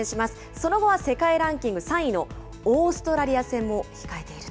その後は世界ランキング３位のオーストラリア戦も控えていると。